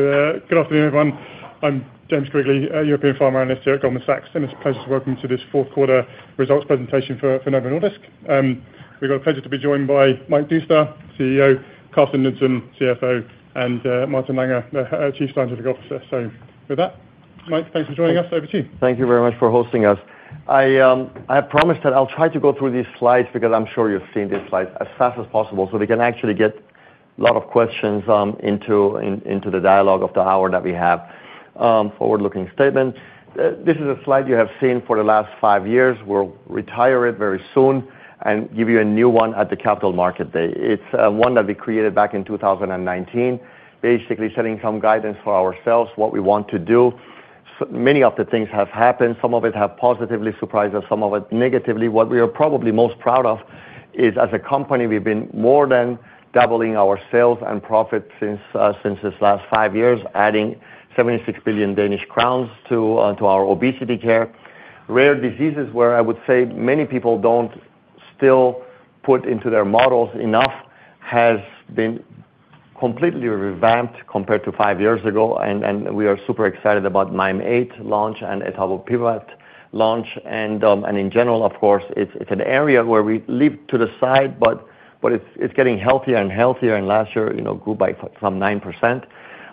Good afternoon, everyone. I'm James Quigley, European Pharma Analyst here at Goldman Sachs, and it's a pleasure to welcome you to this fourth-quarter results presentation for Novo Nordisk. We've got the pleasure to be joined by Mike Doustdar, CEO; Karsten Munk Knudsen, CFO; and Martin Holst Lange, the Chief Scientific Officer. So with that, Mike, thanks for joining us. Over to you. Thank you very much for hosting us. I have promised that I'll try to go through these slides because I'm sure you've seen these slides as fast as possible so we can actually get a lot of questions into the dialogue of the hour that we have. Forward-looking statement. This is a slide you have seen for the last five years. We'll retire it very soon and give you a new one at the Capital Market Day. It's one that we created back in 2019, basically setting some guidance for ourselves, what we want to do. So many of the things have happened. Some of it have positively surprised us, some of it negatively. What we are probably most proud of is, as a company, we've been more than doubling our sales and profit since this last five years, adding 76 billion Danish crowns to our obesity care. Rare diseases where I would say many people don't still put into their models enough has been completely revamped compared to five years ago, and we are super excited about Mim8 launch and Etavopivat launch. And in general, of course, it's an area where we leave to the side, but it's getting healthier and healthier, and last year, you know, grew by from 9%.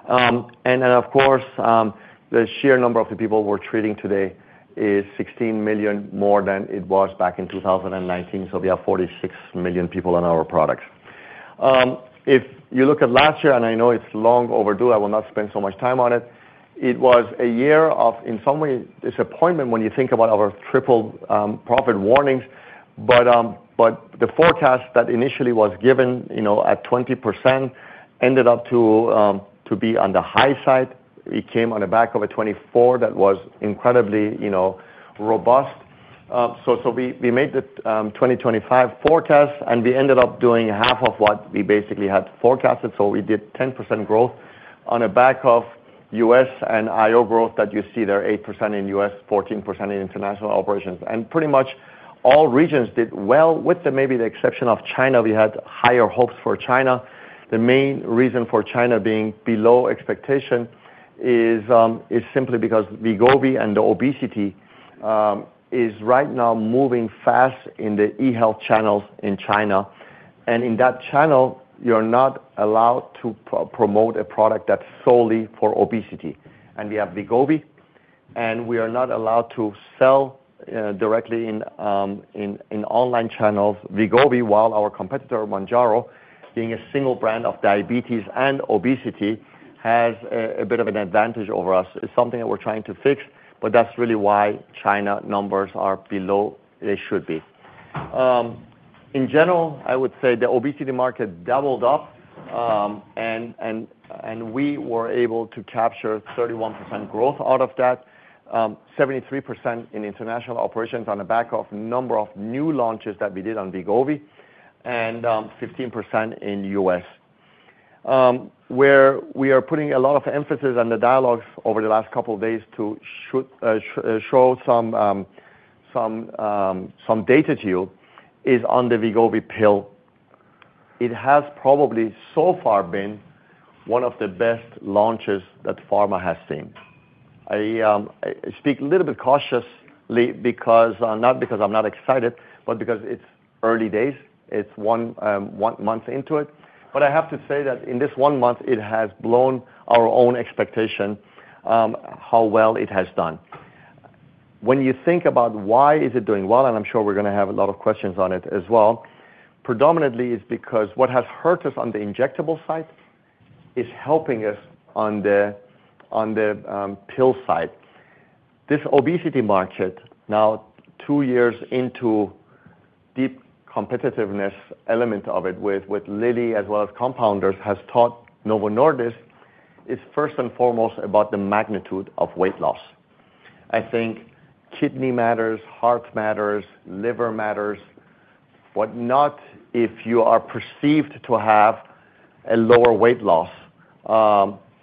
And of course, the sheer number of the people we're treating today is 16 million more than it was back in 2019, so we have 46 million people on our products. If you look at last year, and I know it's long overdue, I will not spend so much time on it, it was a year of, in some way, disappointment when you think about our triple profit warnings. But the forecast that initially was given, you know, at 20% ended up to be on the high side. It came on the back of a 2024 that was incredibly, you know, robust. So we made the 2025 forecast, and we ended up doing half of what we basically had forecasted, so we did 10% growth on the back of U.S. and I/O growth that you see there: 8% in U.S., 14% in international operations. And pretty much all regions did well, with maybe the exception of China. We had higher hopes for China. The main reason for China being below expectation is simply because Wegovy and the obesity is right now moving fast in the e-health channels in China. In that channel, you're not allowed to promote a product that's solely for obesity. We have Wegovy, and we are not allowed to sell directly in online channels Wegovy while our competitor, Mounjaro, being a single brand of diabetes and obesity, has a bit of an advantage over us. It's something that we're trying to fix, but that's really why China numbers are below they should be. In general, I would say the obesity market doubled up, and we were able to capture 31% growth out of that, 73% in international operations on the back of number of new launches that we did on Wegovy, and 15% in U.S. Where we are putting a lot of emphasis on the dialogues over the last couple of days to show some data to you is on the Wegovy pill. It has probably, so far, been one of the best launches that pharma has seen. I speak a little bit cautiously because, not because I'm not excited, but because it's early days. It's one month into it. But I have to say that in this one month, it has blown our own expectation, how well it has done. When you think about why is it doing well - and I'm sure we're gonna have a lot of questions on it as well - predominantly it's because what has hurt us on the injectable side is helping us on the pill side. This obesity market, now two years into deep competitiveness element of it with Lilly as well as compounders, has taught Novo Nordisk it's first and foremost about the magnitude of weight loss. I think kidney matters, heart matters, liver matters, but not if you are perceived to have a lower weight loss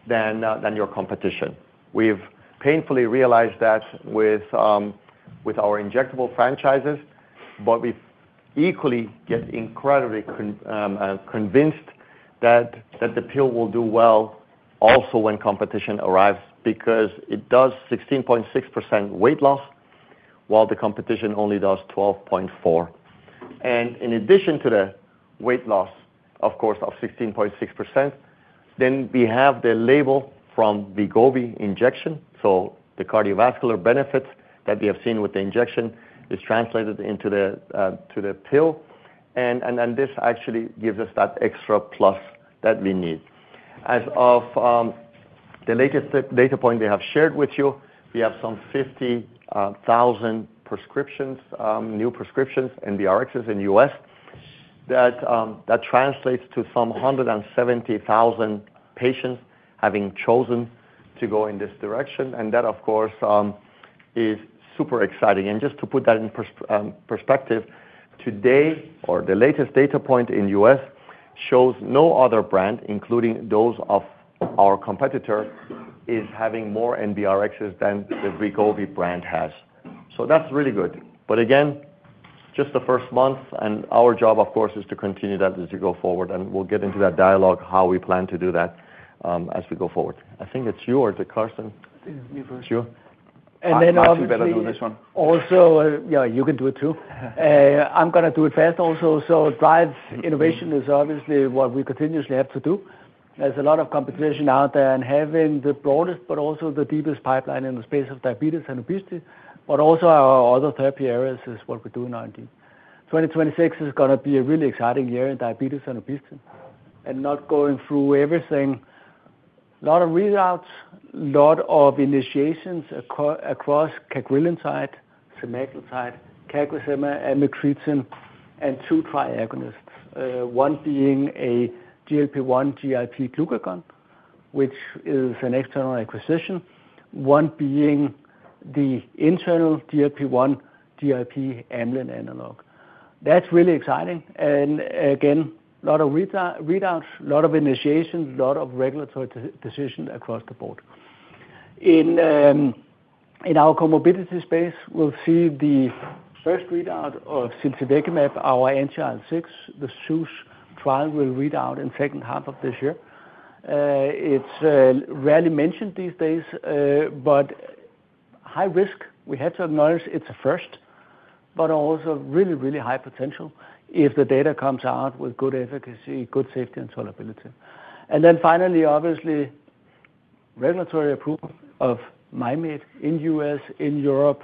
than your competition. We've painfully realized that with our injectable franchises, but we've equally get incredibly convinced that the pill will do well also when competition arrives because it does 16.6% weight loss while the competition only does 12.4%. And in addition to the weight loss, of course, of 16.6%, then we have the label from Wegovy injection, so the cardiovascular benefits that we have seen with the injection is translated into the pill. And this actually gives us that extra plus that we need. As of the latest data point they have shared with you, we have some 50,000 prescriptions, new prescriptions, NBRxs in the U.S., that translates to some 170,000 patients having chosen to go in this direction. And that, of course, is super exciting. And just to put that in perspective, today or the latest data point in the U.S. shows no other brand, including those of our competitor, is having more NBRxs than the Wegovy brand has. So that's really good. But again, just the first month, and our job, of course, is to continue that as we go forward, and we'll get into that dialogue how we plan to do that, as we go forward. I think it's yours, Karsten. It's me, first. It's you. And then, I'll actually better do this one. Also, yeah, you can do it too. I'm gonna do it fast also. So drive innovation is obviously what we continuously have to do. There's a lot of competition out there and having the broadest but also the deepest pipeline in the space of diabetes and obesity, but also our other therapy areas is what we're doing now indeed. 2026 is gonna be a really exciting year in diabetes and obesity and not going through everything. A lot of readouts, a lot of initiations across Cagrilintide, Semaglutide, CagriSema, Amycretin, and two tri-agonists, one being a GLP-1 GIP glucagon, which is an external acquisition, one being the internal GLP-1 GIP amylin analog. That's really exciting. And, again, a lot of readouts, a lot of initiations, a lot of regulatory decisions across the board. In our comorbidity space, we'll see the first readout of Ziltivekimab, our anti-IL-6, the ZEUS trial will readout in second half of this year. It's rarely mentioned these days, but high risk. We have to acknowledge it's a first but also really, really high potential if the data comes out with good efficacy, good safety, and tolerability. And then finally, obviously, regulatory approval of Mim8 in the U.S., in Europe,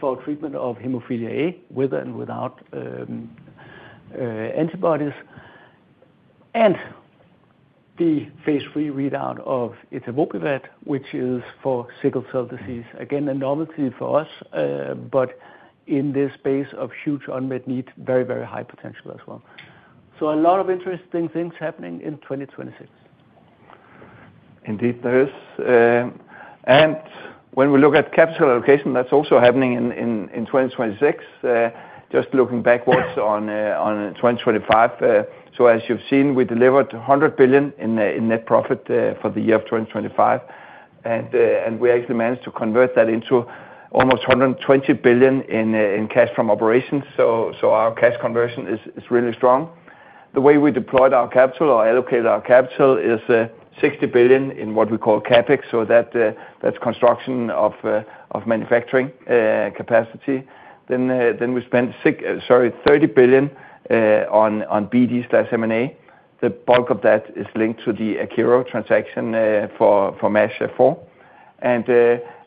for treatment of hemophilia A with and without antibodies and the phase III readout of Etavopivat, which is for sickle cell disease. Again, a novelty for us, but in this space of huge unmet need, very, very high potential as well. So a lot of interesting things happening in 2026. Indeed, there is. And when we look at capsule allocation, that's also happening in 2026. Just looking backwards on 2025, so as you've seen, we delivered 100 billion in net profit for the year of 2025. And we actually managed to convert that into almost 120 billion in cash from operations, so our cash conversion is really strong. The way we deployed our capital, or allocated our capital, is 60 billion in what we call CAPEX, so that's construction of manufacturing capacity. Then we spent 30 billion on BD/M&A. The bulk of that is linked to the Akero transaction for MASH F4.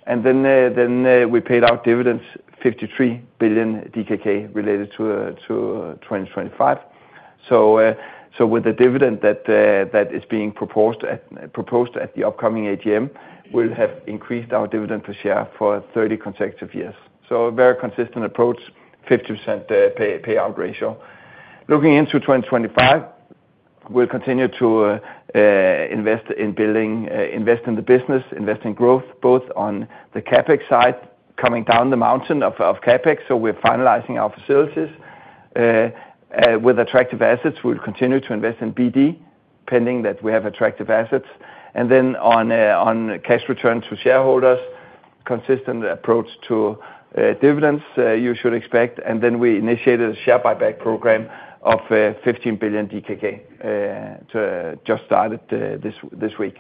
And then we paid out dividends, 53 billion DKK related to 2025. So, with the dividend that is being proposed at the upcoming AGM, we'll have increased our dividend per share for 30 consecutive years. So a very consistent approach, 50% payout ratio. Looking into 2025, we'll continue to invest in building, invest in the business, invest in growth, both on the CAPEX side, coming down the mountain of CAPEX, so we're finalizing our facilities. With attractive assets, we'll continue to invest in BD, pending that we have attractive assets. And then on cash return to shareholders, consistent approach to dividends, you should expect. And then we initiated a share buyback program of 15 billion DKK that just started this week.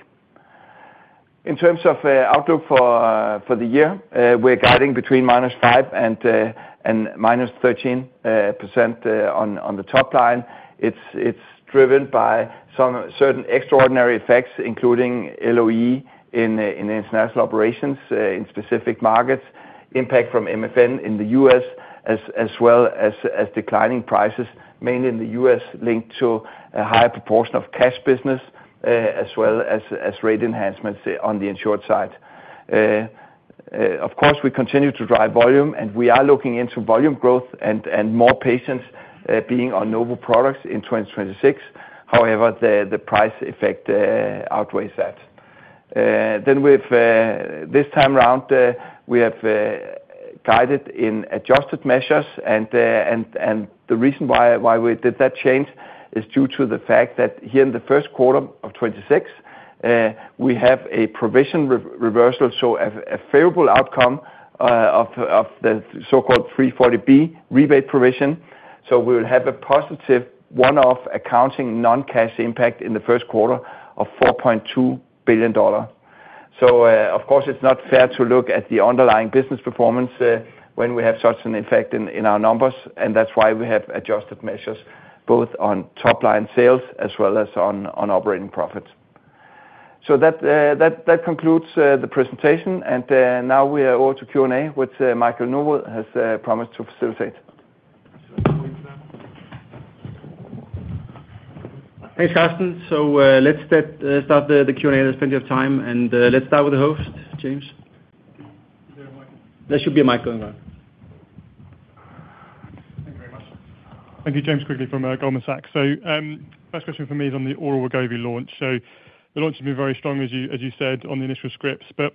In terms of outlook for the year, we're guiding between -5% and -13% on the top line. It's driven by some certain extraordinary effects, including LOE in international operations, in specific markets, impact from MFN in the U.S. as well as declining prices, mainly in the U.S., linked to a higher proportion of cash business, as well as rate enhancements on the insured side. Of course, we continue to drive volume, and we are looking into volume growth and more patients being on Novo products in 2026. However, the price effect outweighs that. Then we've, this time around, we have guided in adjusted measures. And the reason why we did that change is due to the fact that here in the first quarter of 2026, we have a provision reversal, so a favorable outcome, of the so-called 340B rebate provision. So we'll have a positive one-off accounting non-cash impact in the first quarter of $4.2 billion. So, of course, it's not fair to look at the underlying business performance, when we have such an effect in our numbers. And that's why we have adjusted measures, both on top-line sales as well as on operating profits. So that concludes the presentation. And now we are over to Q&A, which Michael Novod has promised to facilitate. Thanks, Karsten. So, let's start the Q&A. There's plenty of time. Let's start with the host, James. There should be a mic going around. Thank you, James Quigley from Goldman Sachs. So, first question for me is on the Oral Wegovy launch. So the launch has been very strong, as you said, on the initial scripts. But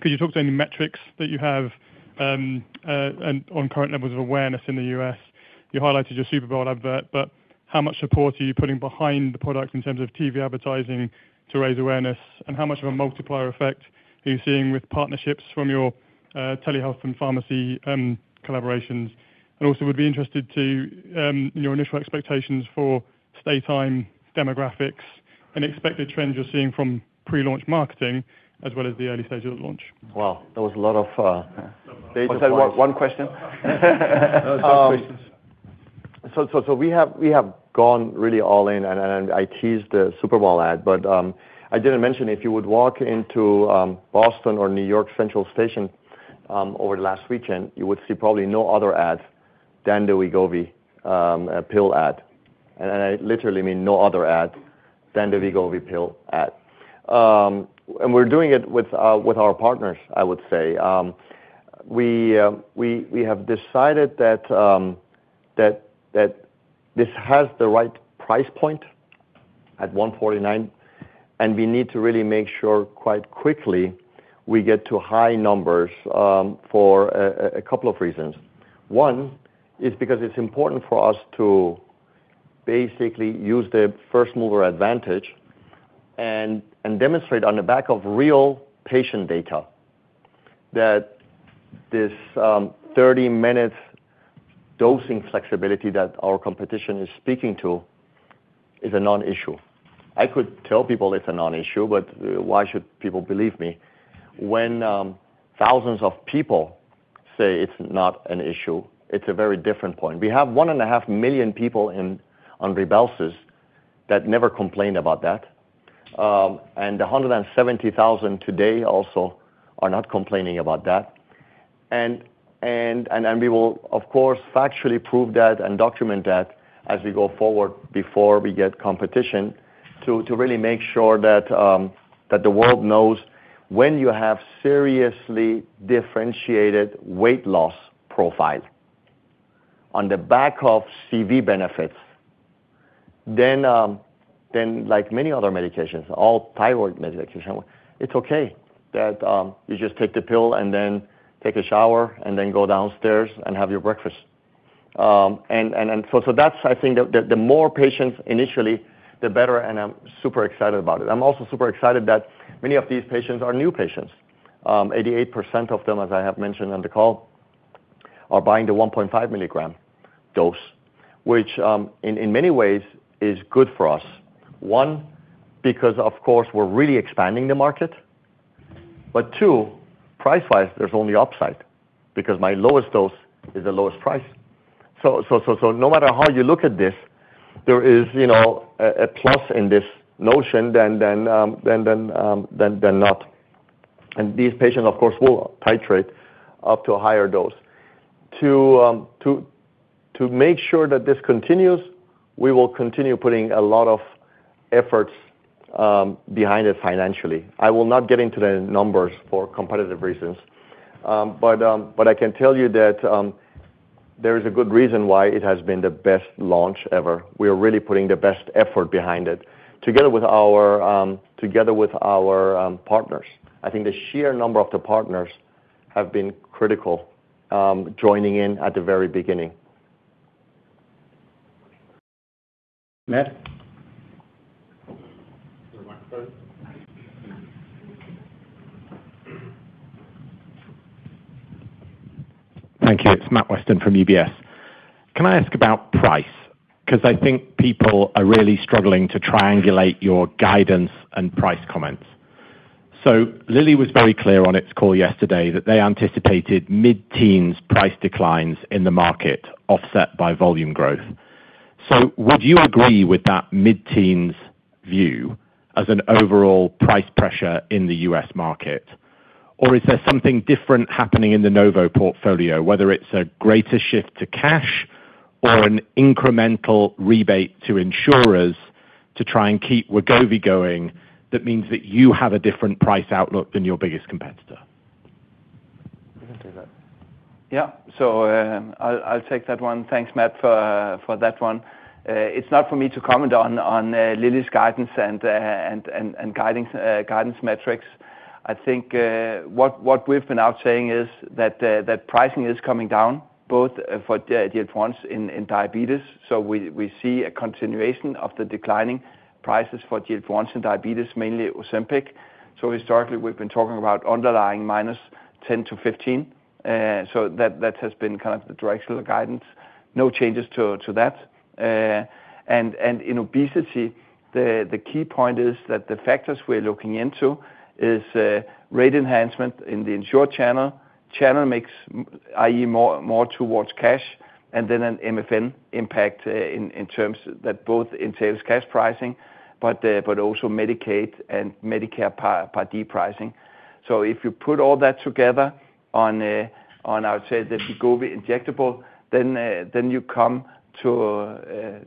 could you talk to any metrics that you have, and on current levels of awareness in the U.S.? You highlighted your Super Bowl advert, but how much support are you putting behind the product in terms of TV advertising to raise awareness, and how much of a multiplier effect are you seeing with partnerships from your telehealth and pharmacy collaborations? And also, we'd be interested to, in your initial expectations for stay time, demographics, any expected trends you're seeing from pre-launch marketing as well as the early stages of the launch. Wow. There was a lot of, David said one question. No, it's just questions. So we have gone really all in, and I teased the Super Bowl ad, but I didn't mention if you would walk into Boston or New York Grand Central Terminal over the last weekend, you would see probably no other ad than the Wegovy pill ad. And I literally mean no other ad than the Wegovy pill ad. And we're doing it with our partners, I would say. We have decided that this has the right price point at $149, and we need to really make sure quite quickly we get to high numbers, for a couple of reasons. One is because it's important for us to basically use the first mover advantage and demonstrate on the back of real patient data that this 30-minute dosing flexibility that our competition is speaking to is a non-issue. I could tell people it's a non-issue, but why should people believe me when thousands of people say it's not an issue? It's a very different point. We have 1.5 million people on Rybelsus that never complained about that. The 170,000 today also are not complaining about that. And we will, of course, factually prove that and document that as we go forward before we get competition to really make sure that the world knows when you have seriously differentiated weight loss profile on the back of CV benefits, then like many other medications, all thyroid medication, it's okay that you just take the pill and then take a shower and then go downstairs and have your breakfast. So that's, I think, the more patients initially, the better. I'm super excited about it. I'm also super excited that many of these patients are new patients. 88% of them, as I have mentioned on the call, are buying the 1.5 mg dose, which, in many ways is good for us. One, because, of course, we're really expanding the market. But two, price-wise, there's only upside because my lowest dose is the lowest price. So no matter how you look at this, there is, you know, a plus in this notion than not. And these patients, of course, will titrate up to a higher dose. To make sure that this continues, we will continue putting a lot of efforts behind it financially. I will not get into the numbers for competitive reasons. But I can tell you that there is a good reason why it has been the best launch ever. We are really putting the best effort behind it together with our partners. I think the sheer number of the partners have been critical, joining in at the very beginning. Matt? Thank you. It's Matt Weston from UBS. Can I ask about price? Because I think people are really struggling to triangulate your guidance and price comments. So Lilly was very clear on its call yesterday that they anticipated mid-teens price declines in the market offset by volume growth. So would you agree with that mid-teens view as an overall price pressure in the U.S. market? Or is there something different happening in the Novo portfolio, whether it's a greater shift to cash or an incremental rebate to insurers to try and keep Wegovy going that means that you have a different price outlook than your biggest competitor? You can say that. Yep. So, I'll take that one. Thanks, Matt, for that one. It's not for me to comment on Lilly's guidance and guidance metrics. I think what we've been saying is that pricing is coming down both for GLP-1s in diabetes. So we see a continuation of the declining prices for GLP-1s in diabetes, mainly Ozempic. So historically, we've been talking about underlying -10 to -15. So that has been kind of the directional guidance. No changes to that. And in obesity, the key point is that the factors we're looking into is rate enhancement in the insured channel. Channel mix, i.e., more towards cash. And then an MFN impact, in terms that both entails cash pricing but also Medicaid and Medicare Part D pricing. So if you put all that together on the Wegovy injectable, then you come to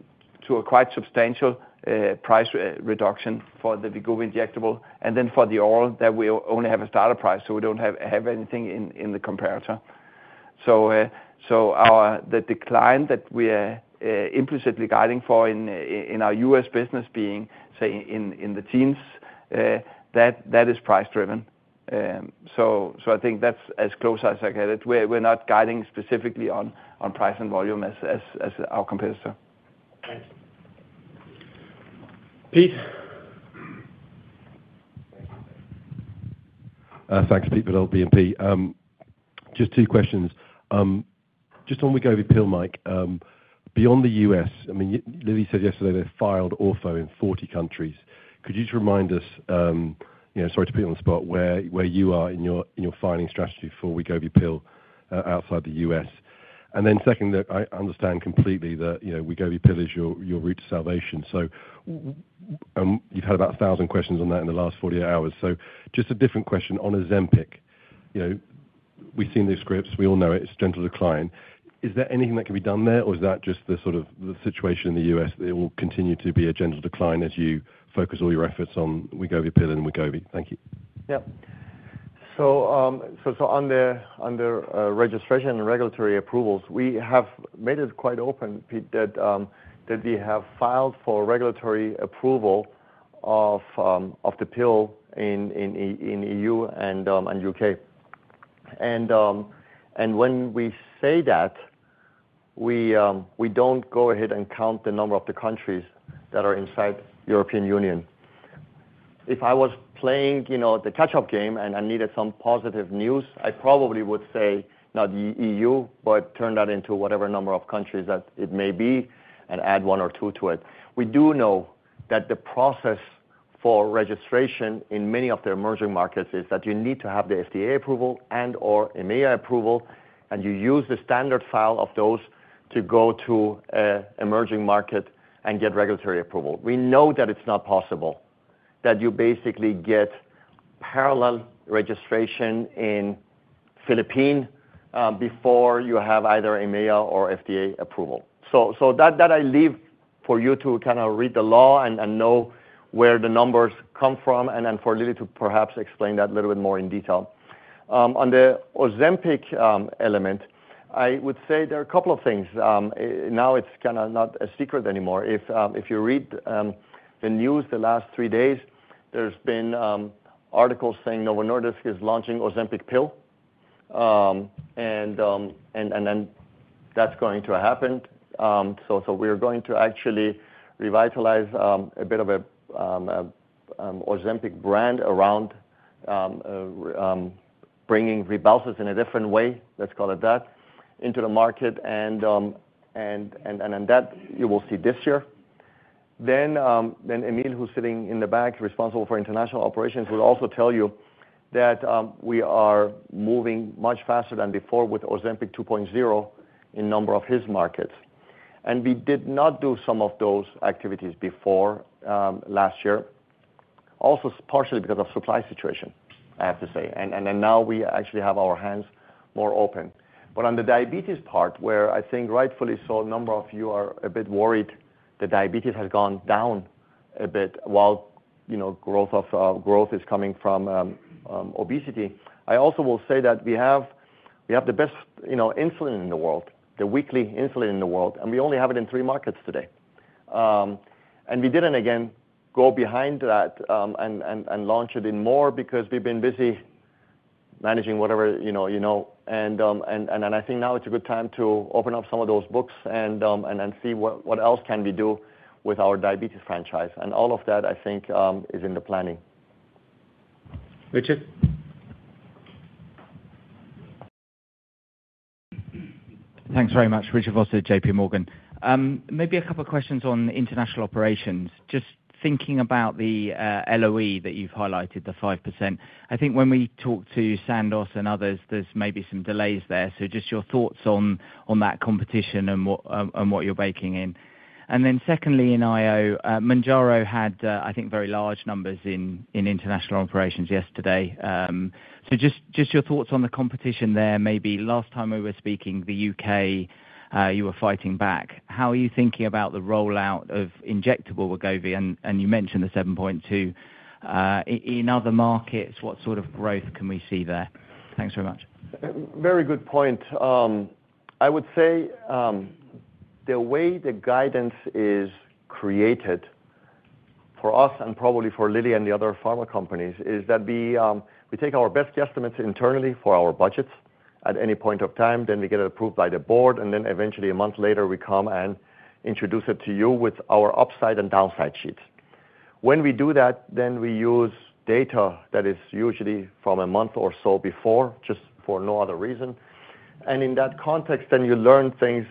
a quite substantial price reduction for the Wegovy injectable. And then for the oral, that we only have a starter price, so we don't have anything in the comparator. So the decline that we are implicitly guiding for in our U.S. business being, say, in the teens, that is price-driven. So I think that's as close as I get it. We're not guiding specifically on price and volume as our competitor. Thanks. Pete? Thanks, Pete, but I'll be in P. Just 2 questions. Just on Wegovy pill, Mike, beyond the U.S., I mean, Eli Lilly said yesterday they filed Orforglipron in 40 countries. Could you just remind us, you know, sorry to put you on the spot, where, where you are in your in your filing strategy for Wegovy pill, outside the U.S.? And then second, that I understand completely that, you know, Wegovy pill is your, your route to salvation. So and you've had about 1,000 questions on that in the last 48 hours. So just a different question on Ozempic. You know, we've seen these scripts. We all know it. It's a gentle decline. Is there anything that can be done there, or is that just the sort of the situation in the U.S. that it will continue to be a gentle decline as you focus all your efforts on Wegovy pill and Wegovy? Thank you. Yep. So on the registration and regulatory approvals, we have made it quite open, Pete, that we have filed for regulatory approval of the pill in the E.U. and U.K. When we say that, we don't go ahead and count the number of the countries that are inside European Union. If I was playing, you know, the catch-up game and I needed some positive news, I probably would say not E.U. but turn that into whatever number of countries that it may be and add one or two to it. We do know that the process for registration in many of the emerging markets is that you need to have the FDA approval and/or EMA approval, and you use the standard file of those to go to an emerging market and get regulatory approval. We know that it's not possible that you basically get parallel registration in Philippines, before you have either EMA or FDA approval. So that I leave for you to kind of read the law and know where the numbers come from and for Lilly to perhaps explain that a little bit more in detail. On the Ozempic element, I would say there are a couple of things. I know it's kind of not a secret anymore. If you read the news the last three days, there's been articles saying Novo Nordisk is launching Ozempic pill. And then that's going to happen. So we are going to actually revitalize a bit of a Ozempic brand around bringing Rybelsus in a different way, let's call it that, into the market. And that you will see this year. Then, then Amie, who's sitting in the back responsible for international operations, would also tell you that we are moving much faster than before with Ozempic 2.0 in number of his markets. And we did not do some of those activities before, last year, also somewhat partially because of supply situation, I have to say. And now we actually have our hands more open. But on the diabetes part, where I think rightfully so a number of you are a bit worried the diabetes has gone down a bit while, you know, growth of, growth is coming from obesity, I also will say that we have the best, you know, insulin in the world, the weekly insulin in the world, and we only have it in three markets today. And we didn't, again, go behind that and launch it in more because we've been busy managing whatever, you know. And I think now it's a good time to open up some of those books and see what else we can do with our diabetes franchise. And all of that, I think, is in the planning. Richard? Thanks very much. Richard Vosser, JPMorgan. Maybe a couple of questions on international operations. Just thinking about the LOE that you've highlighted, the 5%. I think when we talk to Sandoz and others, there's maybe some delays there. So just your thoughts on that competition and what and what you're baking in. And then secondly, in IO, Mounjaro had, I think, very large numbers in international operations yesterday. So just your thoughts on the competition there. Maybe last time we were speaking, the UK, you were fighting back. How are you thinking about the rollout of injectable Wegovy? And you mentioned the 7.2 in other markets. What sort of growth can we see there? Thanks very much. Very good point. I would say, the way the guidance is created for us and probably for Lilly and the other pharma companies is that we take our best guesstimates internally for our budgets at any point of time. Then we get it approved by the board. And then eventually, a month later, we come and introduce it to you with our upside and downside sheets. When we do that, then we use data that is usually from a month or so before, just for no other reason. And in that context, then you learn things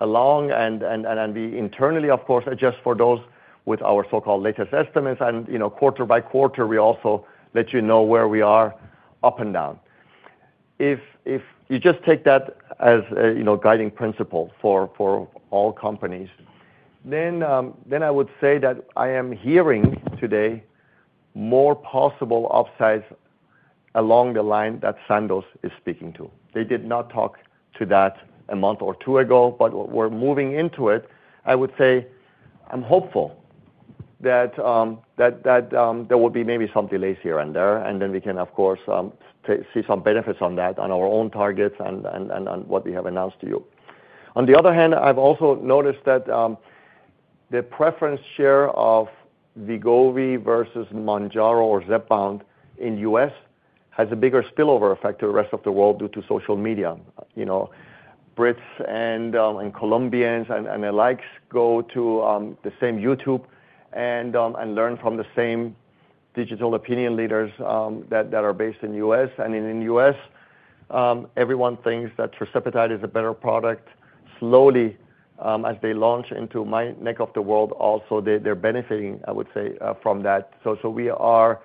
along and we internally, of course, adjust for those with our so-called latest estimates. And, you know, quarter by quarter, we also let you know where we are up and down. If you just take that as a, you know, guiding principle for all companies, then I would say that I am hearing today more possible upsides along the line that Sandoz is speaking to. They did not talk to that a month or two ago, but we're moving into it. I would say I'm hopeful that there will be maybe some delays here and there. And then we can, of course, to see some benefits on that, on our own targets and on what we have announced to you. On the other hand, I've also noticed that the preference share of Wegovy versus Mounjaro or Zepbound in the U.S. has a bigger spillover effect to the rest of the world due to social media, you know. Brits and Colombians and the likes go to the same YouTube and learn from the same digital opinion leaders that are based in the U.S. And in the U.S., everyone thinks that Tirzepatide is a better product. Slowly, as they launch into my neck of the world also, they're benefiting, I would say, from that. So we are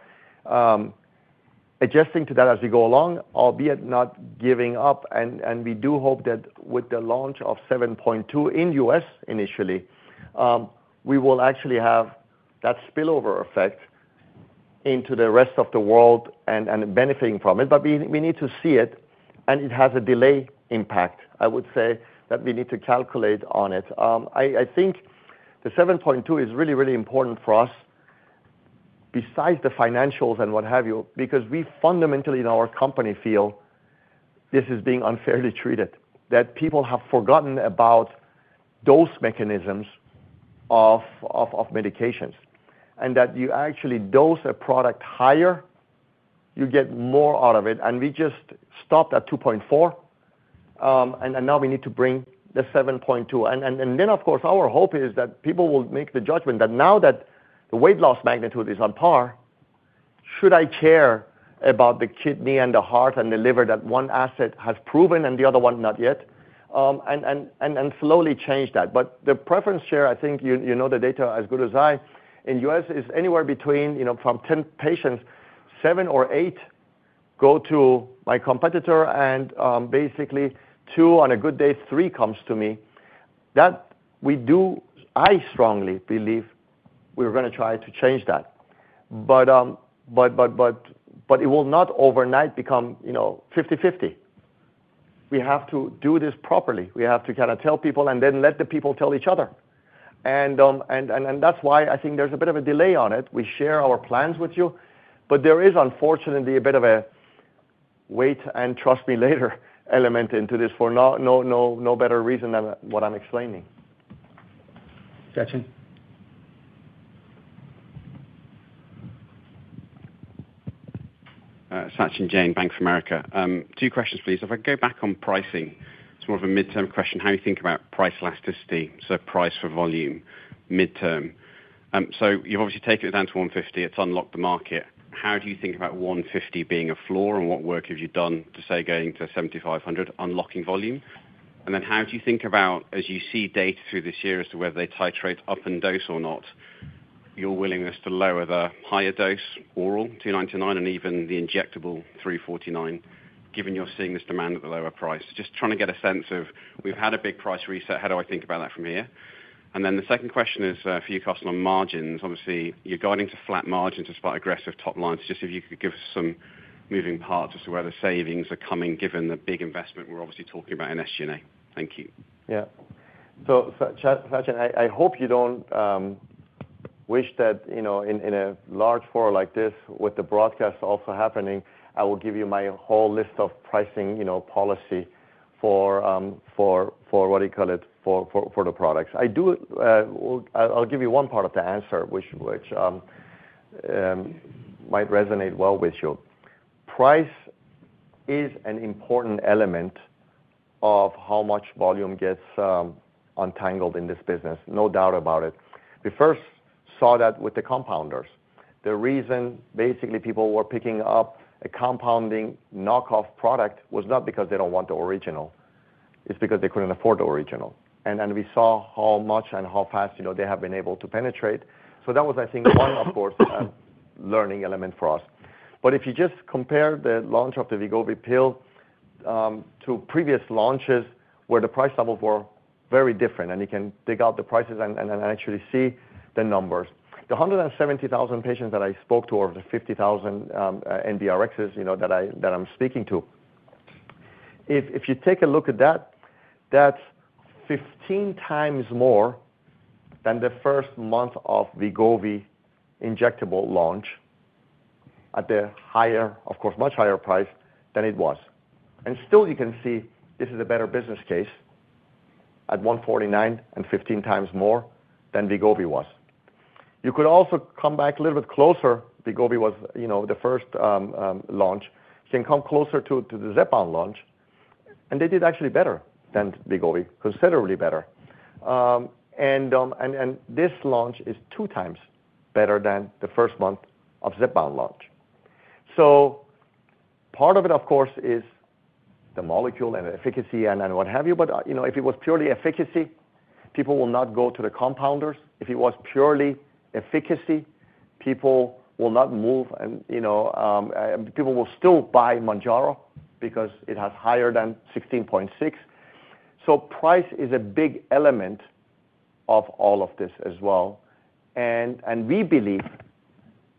adjusting to that as we go along, albeit not giving up. And we do hope that with the launch of 7.2 in the U.S. initially, we will actually have that spillover effect into the rest of the world and benefiting from it. But we need to see it. And it has a delay impact, I would say, that we need to calculate on it. I think the 7.2 is really, really important for us besides the financials and what have you because we fundamentally in our company feel this is being unfairly treated, that people have forgotten about dose mechanisms of medications and that you actually dose a product higher, you get more out of it. We just stopped at 2.4. Then, of course, our hope is that people will make the judgment that now that the weight loss magnitude is on par, should I care about the kidney and the heart and the liver that one asset has proven and the other one not yet? And slowly change that. But the preference share, I think you, you know the data as good as I, in the US is anywhere between, you know, from 10 patients, 7 or 8 go to my competitor. And, basically, 2 on a good day, 3 comes to me. That we do I strongly believe we're going to try to change that. But it will not overnight become, you know, 50/50. We have to do this properly. We have to kind of tell people and then let the people tell each other. And that's why I think there's a bit of a delay on it. We share our plans with you. But there is, unfortunately, a bit of a wait and trust me later element into this for no better reason than what I'm explaining. Sachin? Sachin Jain, Bank of America. Two questions, please. If I go back on pricing, it's more of a midterm question, how you think about price elasticity, so price for volume, midterm. So you've obviously taken it down to $150. It's unlocked the market. How do you think about $150 being a floor, and what work have you done to, say, going to $7,500, unlocking volume? And then how do you think about, as you see data through this year as to whether they titrate up in dose or not, your willingness to lower the higher dose oral, $299, and even the injectable $349, given you're seeing this demand at the lower price? Just trying to get a sense of, we've had a big price reset. How do I think about that from here? And then the second question is, for you, Karsten, on margins. Obviously, you're guiding to flat margins despite aggressive top lines. Just if you could give us some moving parts as to where the savings are coming given the big investment we're obviously talking about in SG&A? Thank you. Yep. So, Sachin, I hope you don't wish that, you know, in a large forum like this with the broadcast also happening, I will give you my whole list of pricing, you know, policy for what do you call it? For the products. I'll give you one part of the answer, which might resonate well with you. Price is an important element of how much volume gets untangled in this business, no doubt about it. We first saw that with the compounders. The reason, basically, people were picking up a compounding knockoff product was not because they don't want the original. It's because they couldn't afford the original. And we saw how much and how fast, you know, they have been able to penetrate. So that was, I think, one, of course, learning element for us. But if you just compare the launch of the Wegovy pill to previous launches where the price levels were very different, and you can dig out the prices and actually see the numbers, the 170,000 patients that I spoke to or the 50,000 NBRxs, you know, that I'm speaking to, if you take a look at that, that's 15 times more than the first month of Wegovy injectable launch at the higher, of course, much higher price than it was. And still, you can see this is a better business case at $149 and 15 times more than Wegovy was. You could also come back a little bit closer. Wegovy was, you know, the first launch. You can come closer to the Zepbound launch. And they did actually better than Wegovy, considerably better. This launch is two times better than the first month of Zepbound launch. So part of it, of course, is the molecule and efficacy and what have you. But, you know, if it was purely efficacy, people will not go to the compounders. If it was purely efficacy, people will not move and, you know, people will still buy Mounjaro because it has higher than 16.6. So price is a big element of all of this as well. And we believe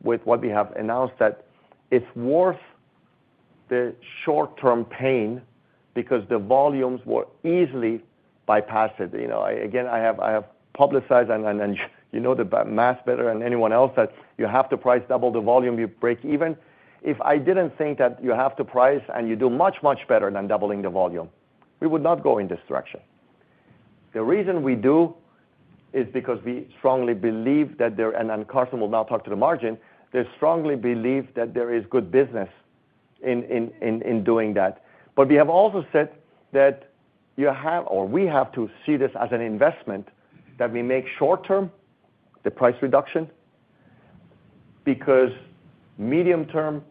with what we have announced that it's worth the short-term pain because the volumes were easily bypassed. You know, I, again, I have publicized and you know the math better than anyone else that you have to price double the volume, you break even. If I didn't think that you have to price and you do much, much better than doubling the volume, we would not go in this direction. The reason we do is because we strongly believe that there, and Karsten will now talk to the margin. They strongly believe that there is good business in doing that. But we have also said that we have to see this as an investment that we make short-term, the price reduction, because medium-term,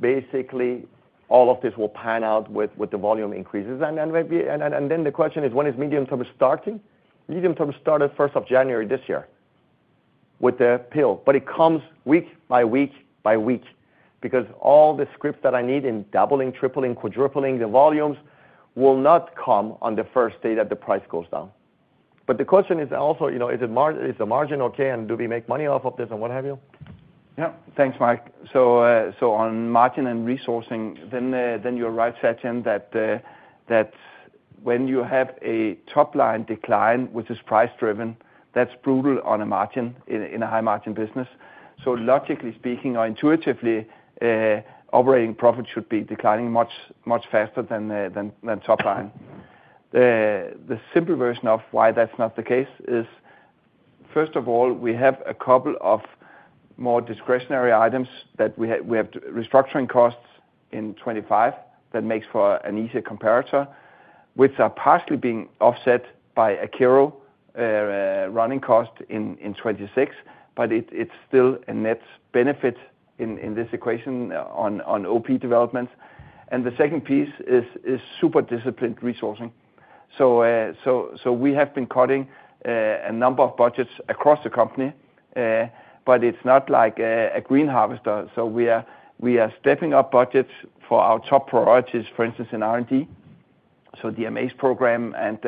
basically, all of this will pan out with the volume increases. And then the question is, when is medium-term starting? Medium-term started 1st of January this year with the pill. It comes week by week by week because all the scripts that I need in doubling, tripling, quadrupling the volumes will not come on the first day that the price goes down. The question is also, you know, is the margin okay, and do we make money off of this and what have you? Yep. Thanks, Mike. So on margin and resourcing, then you're right, Sachin, that when you have a top-line decline, which is price-driven, that's brutal on a margin in a high-margin business. So logically speaking or intuitively, operating profit should be declining much faster than top-line. The simple version of why that's not the case is, first of all, we have a couple of more discretionary items that we have restructuring costs in 2025 that makes for an easier comparator, which are partially being offset by Akero running costs in 2026. But it's still a net benefit in this equation on OP developments. And the second piece is super-disciplined resourcing. So we have been cutting a number of budgets across the company, but it's not like a green harvester. So we are stepping up budgets for our top priorities, for instance, in R&D, so DMA's program and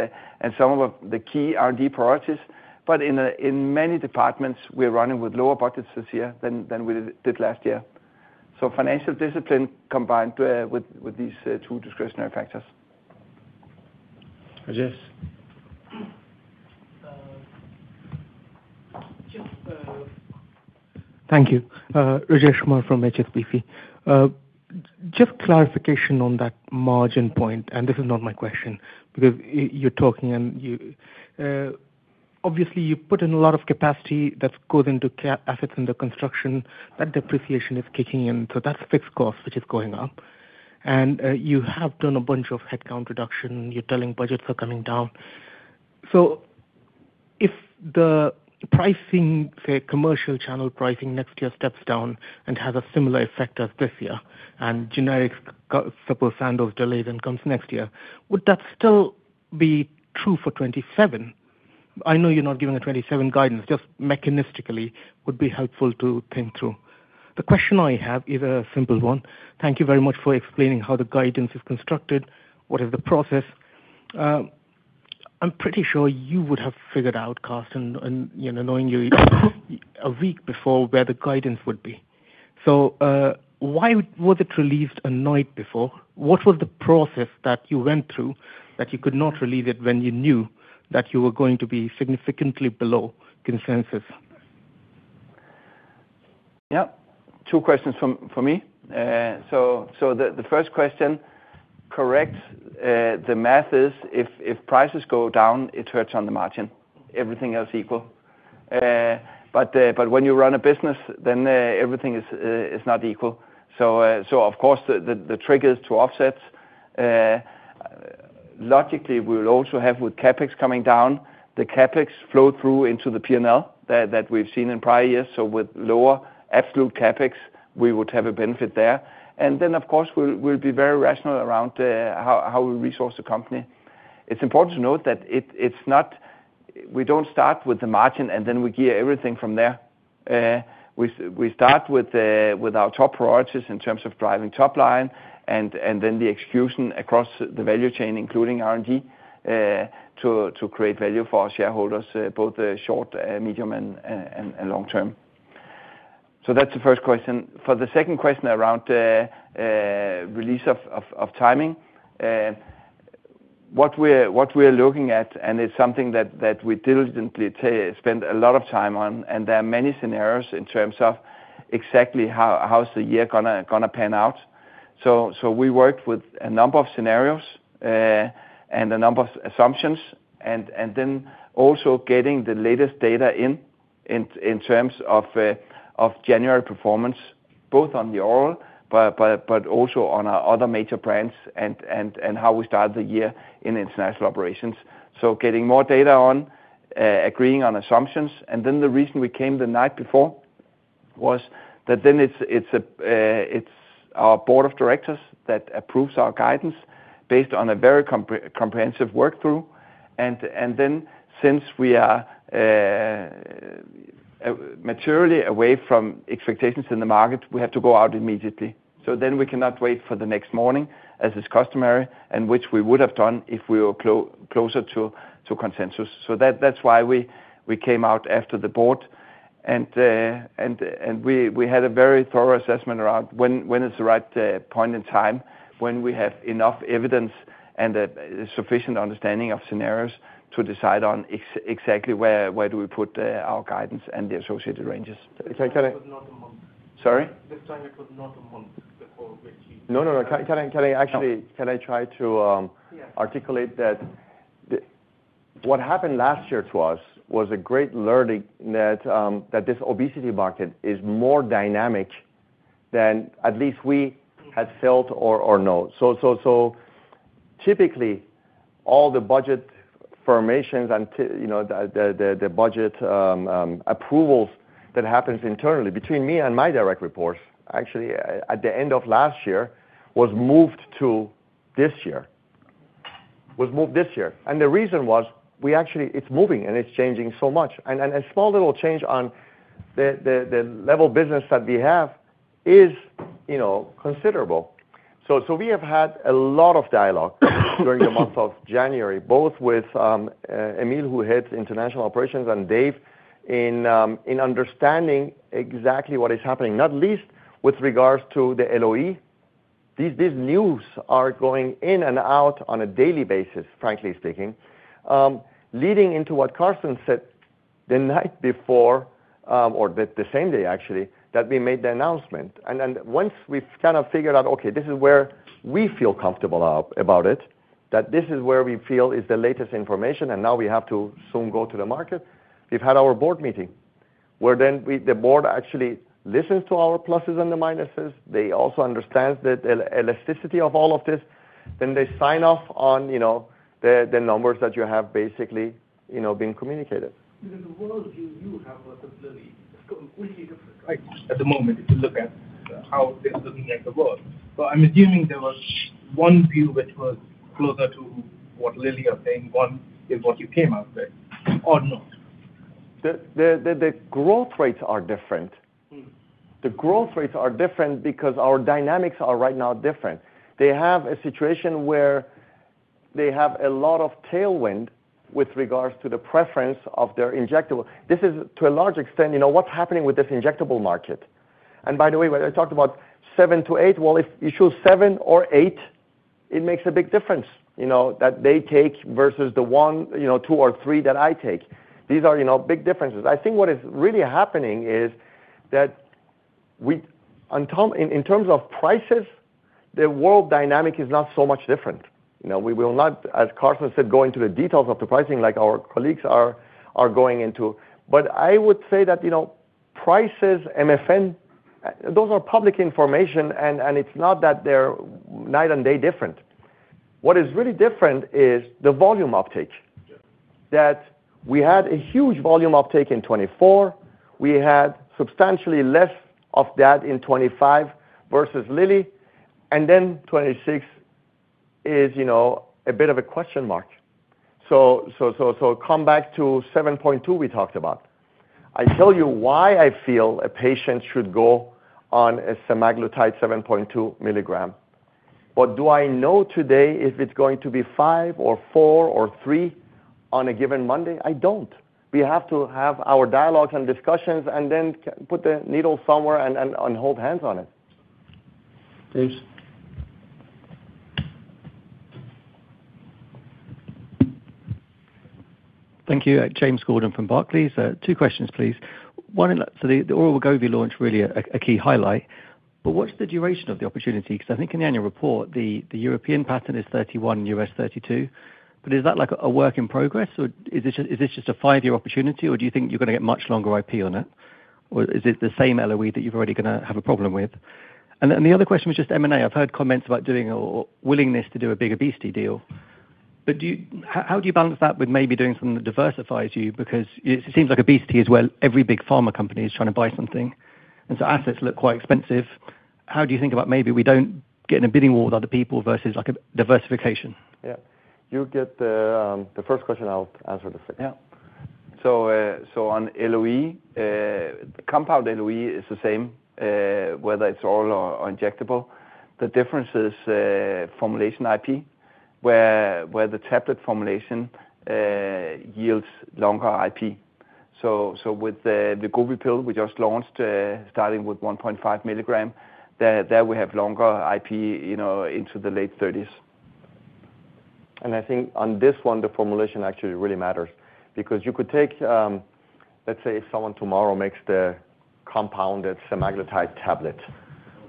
some of the key R&D priorities. But in many departments, we're running with lower budgets this year than we did last year. So financial discipline combined with these two discretionary factors. Rajesh? Thank you. Rajesh Kumar from HSBC. Just clarification on that margin point. And this is not my question because you're talking and you, obviously, you put in a lot of capacity that goes into capex assets in the construction. That depreciation is kicking in. So that's fixed cost, which is going up. And, you have done a bunch of headcount reduction. You're telling budgets are coming down. So if the pricing, say, commercial channel pricing next year steps down and has a similar effect as this year and generics suppose Sandoz delays and comes next year, would that still be true for 2027? I know you're not giving a 2027 guidance. Just mechanistically, would be helpful to think through. The question I have is a simple one. Thank you very much for explaining how the guidance is constructed, what is the process. I'm pretty sure you would have figured out, Karsten, and, you know, knowing you a week before where the guidance would be. So, why was it released a night before? What was the process that you went through that you could not release it when you knew that you were going to be significantly below consensus? Yep. Two questions from me. So, the first question: correct, the math is if prices go down, it hurts on the margin. Everything else equal. But when you run a business, then everything is not equal. So, of course, the triggers to offsets, logically, we will also have with CapEx coming down, the CapEx flow through into the P&L that we've seen in prior years. So with lower absolute CapEx, we would have a benefit there. And then, of course, we'll be very rational around how we resource the company. It's important to note that it's not we don't start with the margin, and then we gear everything from there. We start with our top priorities in terms of driving top-line and then the execution across the value chain, including R&D, to create value for our shareholders, both short, medium, and long-term. So that's the first question. For the second question around release of timing, what we're looking at, and it's something that we diligently spend a lot of time on. And there are many scenarios in terms of exactly how the year is gonna pan out. So we worked with a number of scenarios, and a number of assumptions and then also getting the latest data in terms of January performance, both on the oral but also on our other major brands and how we start the year in international operations. So, getting more data on, agreeing on assumptions. And then the reason we came the night before was that then it's our board of directors that approves our guidance based on a very comprehensive walkthrough. And then since we are materially away from expectations in the market, we have to go out immediately. So then we cannot wait for the next morning as is customary and which we would have done if we were closer to consensus. So that's why we came out after the board. And we had a very thorough assessment around when is the right point in time, when we have enough evidence and a sufficient understanding of scenarios to decide on exactly where we put our guidance and the associated ranges. Can I cut in? This was not a month. Sorry? This time, it was not a month before we achieved. No, no, no. Can I cut in? Can I actually try to, Yes. Articulate that what happened last year to us was a great learning that this obesity market is more dynamic than at least we had felt or known. So typically, all the budget formations and you know, the budget approvals that happens internally between me and my direct reports, actually, at the end of last year was moved to this year, was moved this year. And the reason was we actually it's moving, and it's changing so much. And a small little change on the level of business that we have is, you know, considerable. So we have had a lot of dialogue during the month of January, both with Amie, who heads international operations, and Dave in understanding exactly what is happening, not least with regards to the LOE. These news are going in and out on a daily basis, frankly speaking, leading into what Carson said the night before, or the same day, actually, that we made the announcement. Once we've kind of figured out, "Okay. This is where we feel comfortable about it, that this is where we feel is the latest information, and now we have to soon go to the market," we've had our board meeting where then we the board actually listens to our pluses and the minuses. They also understands the elasticity of all of this. Then they sign off on, you know, the numbers that you have basically, you know, being communicated. Because the worldview you have wasn't really completely different, right, at the moment if you look at how they're looking at the world. So I'm assuming there was one view which was closer to what Lilly is saying, one is what you came out with, or not? The growth rates are different. The growth rates are different because our dynamics are right now different. They have a situation where they have a lot of tailwind with regards to the preference of their injectable. This is, to a large extent, you know, what's happening with this injectable market. And by the way, when I talked about seven to eight, well, if you choose seven or eight, it makes a big difference, you know, that they take versus the one, you know, two or three that I take. These are, you know, big differences. I think what is really happening is that we on top in, in terms of prices, the world dynamic is not so much different. You know, we will not, as Carson said, go into the details of the pricing like our colleagues are going into. I would say that, you know, prices, MFN, those are public information, and it's not that they're night and day different. What is really different is the volume uptake. Yep. That we had a huge volume uptake in 2024. We had substantially less of that in 2025 versus Lilly. And then 2026 is, you know, a bit of a question mark. So come back to 7.2 we talked about. I tell you why I feel a patient should go on a Semaglutide 7.2 mg. But do I know today if it's going to be five or four or three on a given Monday? I don't. We have to have our dialogues and discussions and then put the needle somewhere and hold hands on it. James? Thank you. James Gordon from Barclays. Two questions, please. One is on the oral Wegovy launch, really a key highlight. But what's the duration of the opportunity? 'Cause I think in the annual report, the European patent is 31, U.S. 32. But is that like a work in progress, or is it just a five-year opportunity, or do you think you're gonna get much longer IP on it, or is it the same LOE that you're already gonna have a problem with? And then the other question was just M&A. I've heard comments about doing or willingness to do a big obesity deal. But do you how do you balance that with maybe doing something that diversifies you? Because it seems like obesity is where every big pharma company is trying to buy something. And so assets look quite expensive. How do you think about maybe we don't get in a bidding war with other people versus, like, a diversification? Yep. You'll get the first question. I'll answer the second. Yep. So on LOE, compound LOE is the same, whether it's oral or injectable. The difference is formulation IP, where the tablet formulation yields longer IP. So with the Wegovy pill we just launched, starting with 1.5 mg, there we have longer IP, you know, into the late 30s. And I think on this one, the formulation actually really matters because you could take, let's say if someone tomorrow makes the compounded semaglutide tablet,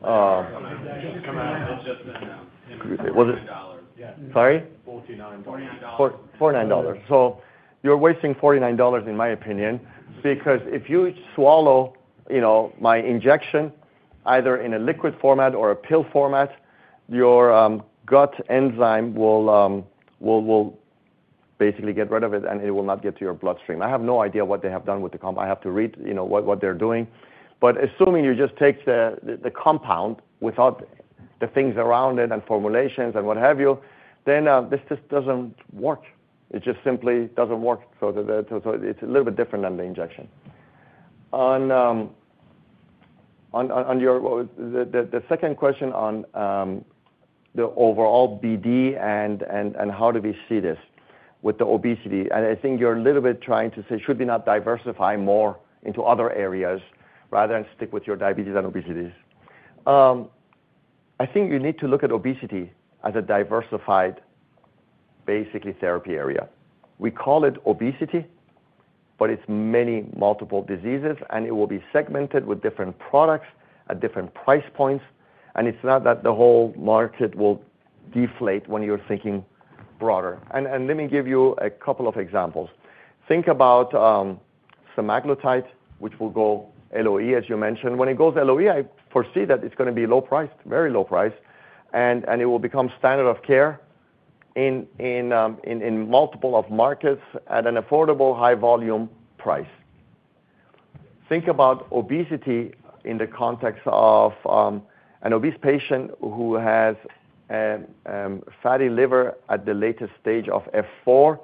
Come on. Come on. It was just $49. Was it? Sorry? $49. $49. For $49. So you're wasting $49, in my opinion, because if you swallow, you know, my injection, either in a liquid format or a pill format, your gut enzyme will basically get rid of it, and it will not get to your bloodstream. I have no idea what they have done with the compound. I have to read, you know, what they're doing. But assuming you just take the compound without the things around it and formulations and what have you, then this just doesn't work. It just simply doesn't work. So it's a little bit different than the injection. Well, the second question on the overall BD and how do we see this with the obesity? And I think you're a little bit trying to say should we not diversify more into other areas rather than stick with your diabetes and obesities? I think you need to look at obesity as a diversified, basically, therapy area. We call it obesity, but it's many multiple diseases, and it will be segmented with different products at different price points. And it's not that the whole market will deflate when you're thinking broader. And, and let me give you a couple of examples. Think about, Semaglutide, which will go LOE, as you mentioned. When it goes LOE, I foresee that it's gonna be low priced, very low price, and, and it will become standard of care in, in, in, in multiple of markets at an affordable, high-volume price. Think about obesity in the context of an obese patient who has fatty liver at the latest stage of F4,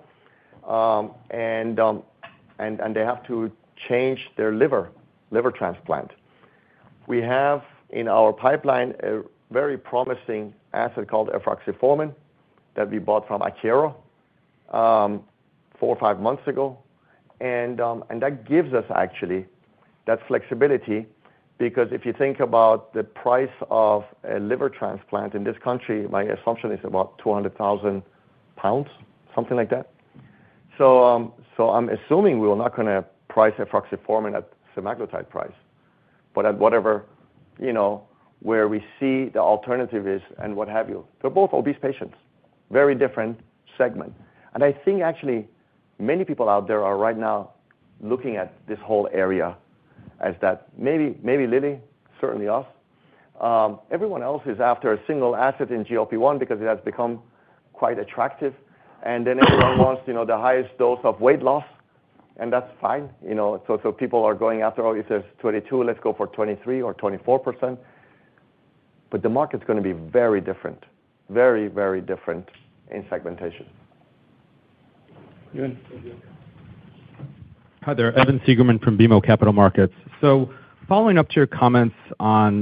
and they have to change their liver, liver transplant. We have in our pipeline a very promising asset called efruxifermin that we bought from Akero four to five months ago. And that gives us actually that flexibility because if you think about the price of a liver transplant in this country, my assumption is about 200,000 pounds, something like that. So I'm assuming we're not gonna price efruxifermin at semaglutide price but at whatever, you know, where we see the alternative is and what have you. They're both obese patients, very different segment. And I think actually many people out there are right now looking at this whole area as that maybe Lilly, certainly us. Everyone else is after a single agonist in GLP-1 because it has become quite attractive. And then everyone wants, you know, the highest dose of weight loss, and that's fine. You know, so, so people are going after, "Oh, if there's 22%, let's go for 23% or 24%." But the market's gonna be very different, very, very different in segmentation. Evan? Thank you. Hi there. Evan Seigerman from BMO Capital Markets. So following up to your comments on,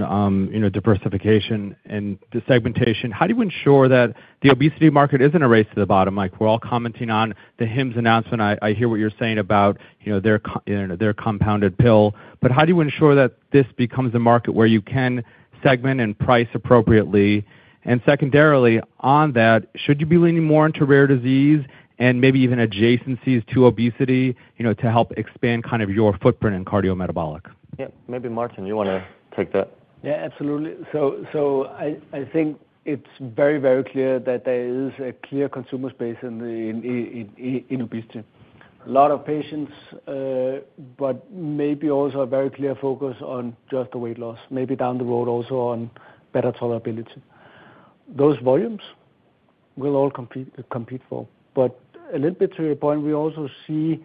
you know, diversification and the segmentation, how do you ensure that the obesity market isn't a race to the bottom, Mike? We're all commenting on the Hims & Hers announcement. I hear what you're saying about, you know, their compounded, you know, their compounded pill. But how do you ensure that this becomes a market where you can segment and price appropriately? And secondarily, on that, should you be leaning more into rare disease and maybe even adjacencies to obesity, you know, to help expand kind of your footprint in cardiometabolic? Yep. Maybe Martin, you wanna take that. Yeah. Absolutely. So, I think it's very clear that there is a clear consumer space in obesity. A lot of patients, but maybe also a very clear focus on just the weight loss, maybe down the road also on better tolerability. Those volumes we'll all compete for. But a little bit to your point, we also see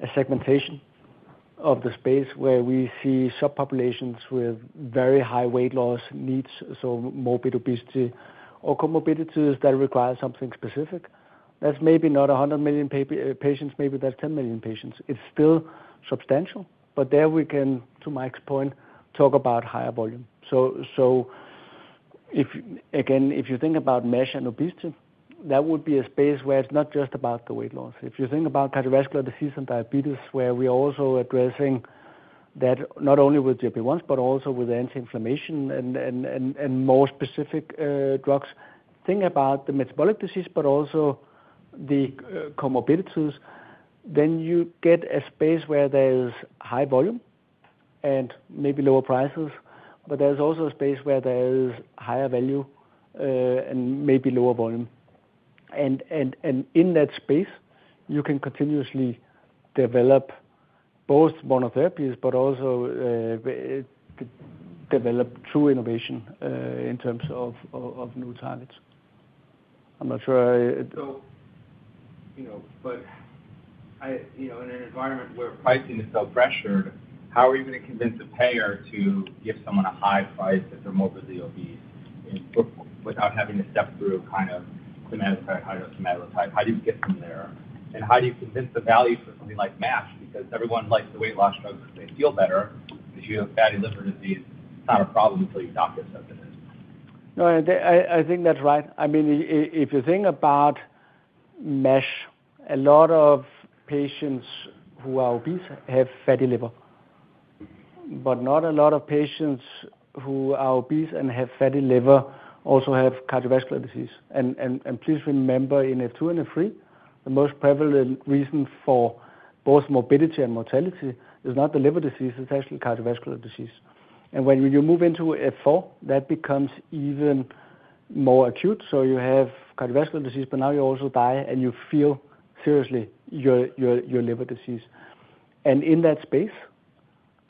a segmentation of the space where we see subpopulations with very high weight loss needs, so morbid obesity or comorbidities that require something specific. That's maybe not 100 million obese patients. Maybe that's 10 million patients. It's still substantial. But there we can, to Mike's point, talk about higher volume. So, if again, if you think about MASH and obesity, that would be a space where it's not just about the weight loss. If you think about cardiovascular disease and diabetes where we are also addressing that not only with GLP-1s but also with anti-inflammation and more specific drugs, think about the metabolic disease but also the comorbidities, then you get a space where there is high volume and maybe lower prices. But there's also a space where there is higher value, and maybe lower volume. And in that space, you can continuously develop both monotherapies but also we develop true innovation, in terms of new targets. I'm not sure I, So, you know, but, you know, in an environment where pricing is so pressured, how are you gonna convince a payer to give someone a high price if they're morbidly obese without having to step through kind of semaglutide/hydrosemaglutide? How do you get them there? And how do you convince the value for something like MASH? Because everyone likes the weight loss drugs 'cause they feel better. If you have fatty liver disease, it's not a problem until your doctor says it is. No. I think that's right. I mean, if you think about MASH, a lot of patients who are obese have fatty liver. But not a lot of patients who are obese and have fatty liver also have cardiovascular disease. And please remember in F2 and F3, the most prevalent reason for both morbidity and mortality is not the liver disease. It's actually cardiovascular disease. And when you move into F4, that becomes even more acute. So you have cardiovascular disease, but now you also die, and you feel seriously your liver disease. And in that space,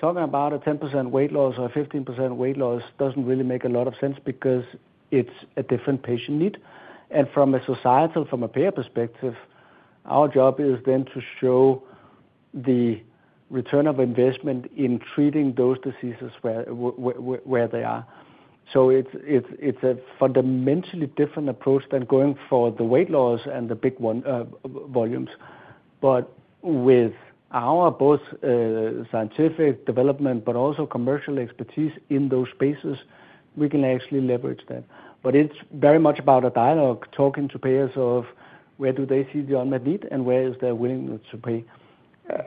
talking about a 10% weight loss or a 15% weight loss doesn't really make a lot of sense because it's a different patient need. From a societal, from a payer perspective, our job is then to show the return of investment in treating those diseases where they are. So it's a fundamentally different approach than going for the weight loss and the big one, volumes. But with our both, scientific development but also commercial expertise in those spaces, we can actually leverage that. But it's very much about a dialogue, talking to payers of where do they see the unmet need, and where is their willingness to pay.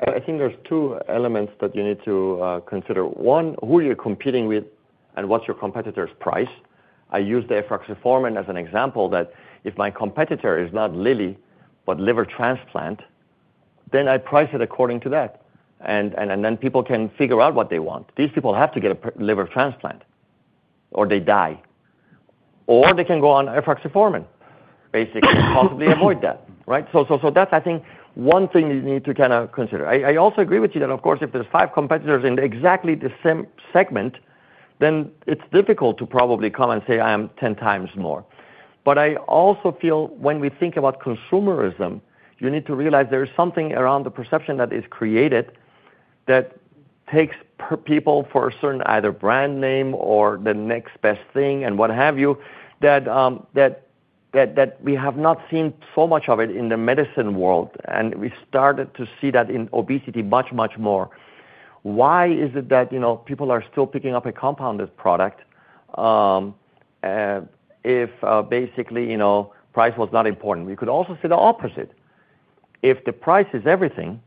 I think there's two elements that you need to consider. One, who you're competing with and what's your competitor's price. I use the Efruxifermin as an example that if my competitor is not Lilly but liver transplant, then I price it according to that. And then people can figure out what they want. These people have to get a liver transplant, or they die. Or they can go on Efruxifermin, basically, possibly avoid that, right? So that's, I think, one thing you need to kinda consider. I also agree with you that, of course, if there's five competitors in exactly the same segment, then it's difficult to probably come and say, "I am 10 times more." But I also feel when we think about consumerism, you need to realize there is something around the perception that is created that takes people for a certain either brand name or the next best thing and what have you, that we have not seen so much of it in the medicine world. And we started to see that in obesity much, much more. Why is it that, you know, people are still picking up a compounded product, if, basically, you know, price was not important? We could also say the opposite. If the price is everything,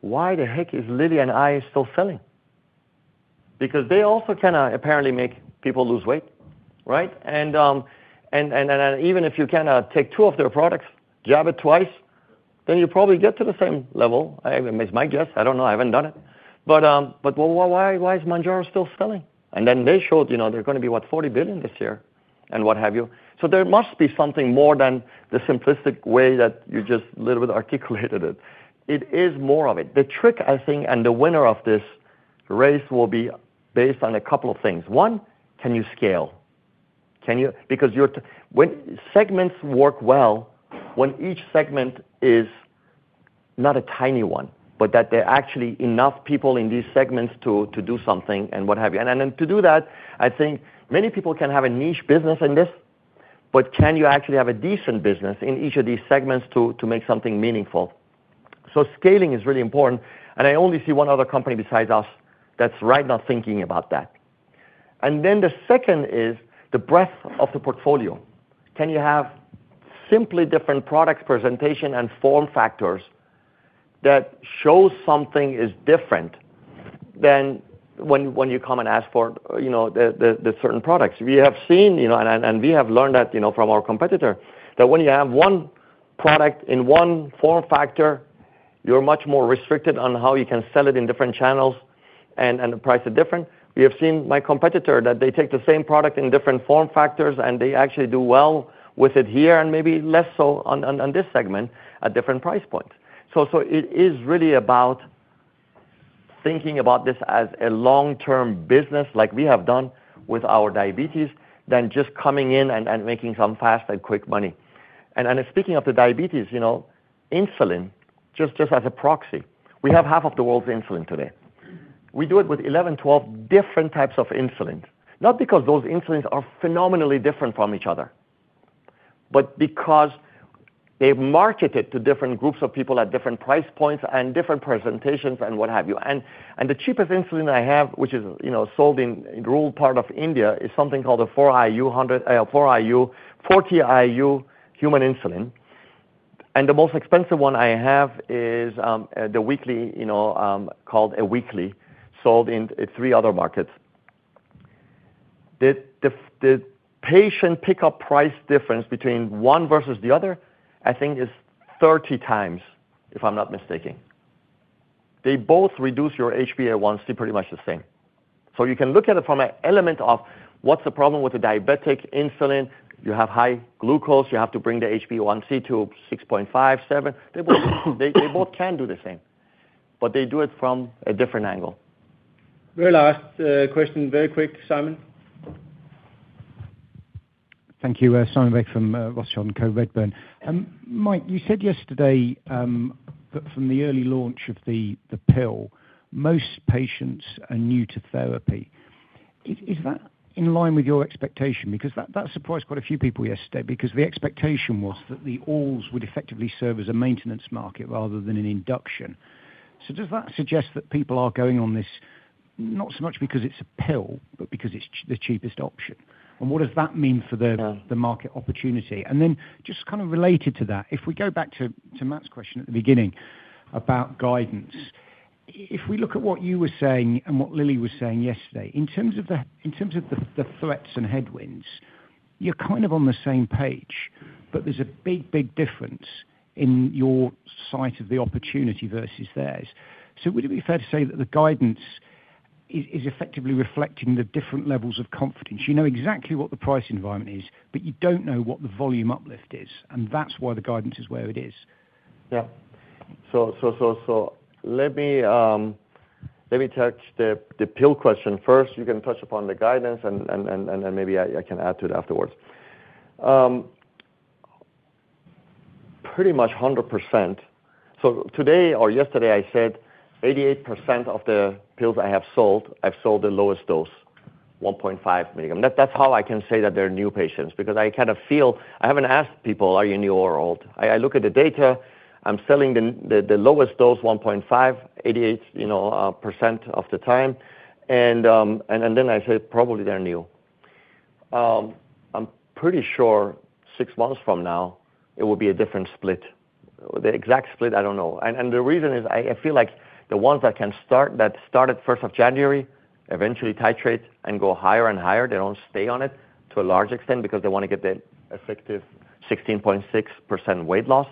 why the heck is Lilly and I still selling? Because they also kinda apparently make people lose weight, right? And even if you kinda take two of their products, jab it twice, then you probably get to the same level. I mean, it's my guess. I don't know. I haven't done it. But why is Mounjaro still selling? And then they showed, you know, they're gonna be, what, $40 billion this year and what have you. So there must be something more than the simplistic way that you just a little bit articulated it. It is more of it. The trick, I think, and the winner of this race will be based on a couple of things. One, can you scale? Can you, because you're thinking when segments work well when each segment is not a tiny one but that there are actually enough people in these segments to do something and what have you. And then to do that, I think many people can have a niche business in this, but can you actually have a decent business in each of these segments to make something meaningful? So scaling is really important. And I only see one other company besides us that's right now thinking about that. And then the second is the breadth of the portfolio. Can you have simply different product presentation and form factors that show something is different than when you come and ask for, you know, the certain products? We have seen, you know, we have learned that, you know, from our competitor, that when you have one product in one form factor, you're much more restricted on how you can sell it in different channels, and the price is different. We have seen my competitor that they take the same product in different form factors, and they actually do well with it here and maybe less so on this segment at different price points. So it is really about thinking about this as a long-term business like we have done with our diabetes than just coming in and making some fast and quick money. And speaking of the diabetes, you know, insulin just as a proxy, we have half of the world's insulin today. We do it with 11, 12 different types of insulin, not because those insulins are phenomenally different from each other but because they've marketed to different groups of people at different price points and different presentations and what have you. And the cheapest insulin I have, which is, you know, sold in rural part of India, is something called the 40 IU, 100 IU human insulin. And the most expensive one I have is the weekly, you know, called Awiqli, sold in three other markets. The patient pickup price difference between one versus the other, I think, is 30 times, if I'm not mistaken. They both reduce your HbA1c pretty much the same. So you can look at it from an element of what's the problem with the diabetic insulin. You have high glucose. You have to bring the HbA1c to 6.5-7. They both can do the same, but they do it from a different angle. Very last question, very quick, Simon. Thank you. Simon Baker from Redburn Atlantic. Mike, you said yesterday that from the early launch of the, the pill, most patients are new to therapy. Is, is that in line with your expectation? Because that, that surprised quite a few people yesterday because the expectation was that the orals would effectively serve as a maintenance market rather than an induction. So does that suggest that people are going on this not so much because it's a pill but because it's the cheapest option? And what does that mean for the. Yeah. The market opportunity? And then just kinda related to that, if we go back to Matt's question at the beginning about guidance, if we look at what you were saying and what Lilly was saying yesterday, in terms of the threats and headwinds, you're kind of on the same page, but there's a big, big difference in your sight of the opportunity versus theirs. So would it be fair to say that the guidance is effectively reflecting the different levels of confidence? You know exactly what the price environment is, but you don't know what the volume uplift is. And that's why the guidance is where it is. Yep. So let me touch the pill question first. You can touch upon the guidance, and then maybe I can add to it afterwards. Pretty much 100%. So today or yesterday, I said 88% of the pills I have sold, I've sold the lowest dose, 1.5 milligram. That's how I can say that they're new patients because I kinda feel I haven't asked people, "Are you new or old?" I look at the data. I'm selling the lowest dose, 1.5, 88%, you know, of the time. And then I say, "Probably they're new." I'm pretty sure six months from now, it will be a different split. The exact split, I don't know. The reason is I feel like the ones that started 1st of January eventually titrate and go higher and higher. They don't stay on it to a large extent because they wanna get the effective 16.6% weight loss.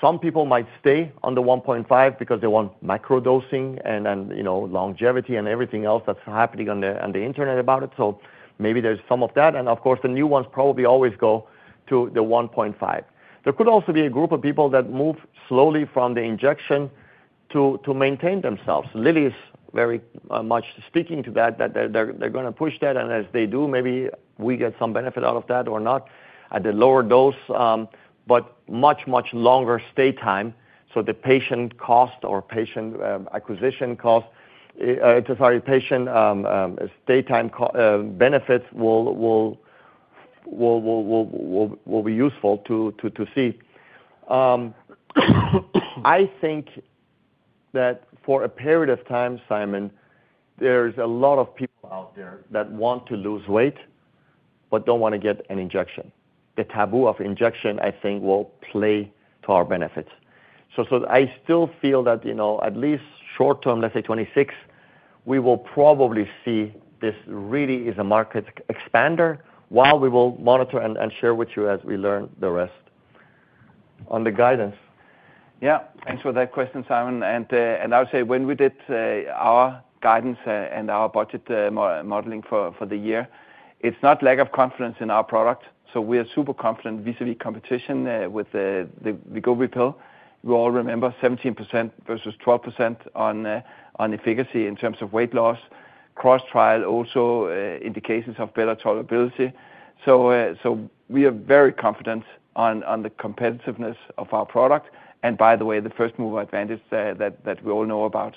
Some people might stay on the 1.5 because they want microdosing and, you know, longevity and everything else that's happening on the internet about it. So maybe there's some of that. And, of course, the new ones probably always go to the 1.5. There could also be a group of people that move slowly from the injection to maintain themselves. Lilly is very much speaking to that that they're gonna push that. And as they do, maybe we get some benefit out of that or not at the lower dose, but much longer stay time. So the patient cost or patient acquisition cost is to—sorry, patient stay time co benefits will be useful to see. I think that for a period of time, Simon, there's a lot of people out there that want to lose weight but don't wanna get an injection. The taboo of injection, I think, will play to our benefit. So I still feel that, you know, at least short term, let's say 2026, we will probably see this really is a market expander. While we will monitor and share with you as we learn the rest on the guidance. Yeah. Thanks for that question, Simon. And I would say when we did our guidance and our budget modeling for the year, it's not lack of confidence in our product. So we are super confident vis-à-vis competition with the Wegovy pill. We all remember 17% versus 12% on efficacy in terms of weight loss, cross-trial also, indications of better tolerability. So we are very confident on the competitiveness of our product and, by the way, the first mover advantage that we all know about.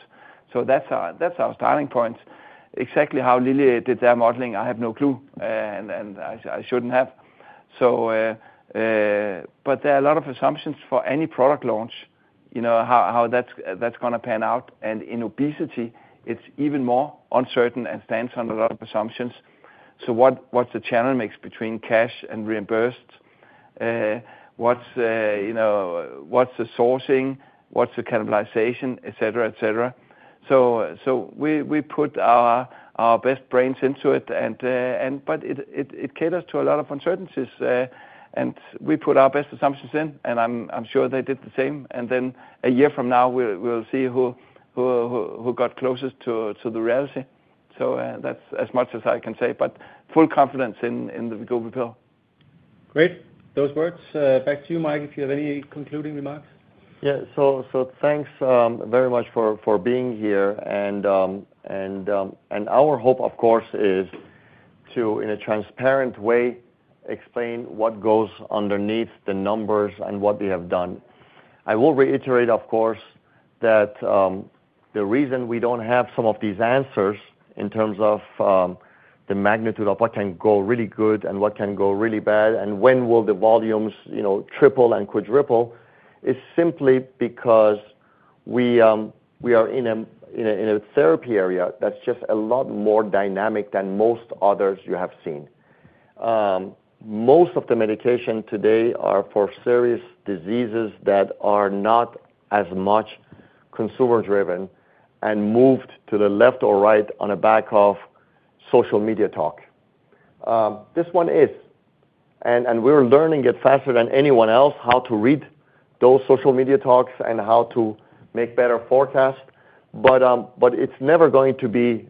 So that's our starting point. Exactly how Lilly did their modeling, I have no clue, and I shouldn't have. So but there are a lot of assumptions for any product launch, you know, how that's gonna pan out. And in obesity, it's even more uncertain and stands on a lot of assumptions. So what's the channel mix between cash and reimbursed? What's, you know, the sourcing? What's the cannibalization, etc., etc.? So we put our best brains into it, and but it caters to a lot of uncertainties. And we put our best assumptions in, and I'm sure they did the same. And then a year from now, we'll see who got closest to the reality. So that's as much as I can say. But full confidence in the Wegovy pill. Great. Those words. Back to you, Mike, if you have any concluding remarks. Yeah. So thanks very much for being here. And our hope, of course, is to, in a transparent way, explain what goes underneath the numbers and what we have done. I will reiterate, of course, that the reason we don't have some of these answers in terms of the magnitude of what can go really good and what can go really bad and when will the volumes, you know, triple and quadruple is simply because we are in a therapy area that's just a lot more dynamic than most others you have seen. Most of the medication today are for serious diseases that are not as much consumer-driven and moved to the left or right based off social media talk. This one is. And we're learning it faster than anyone else, how to read those social media talks and how to make better forecasts. But it's never going to be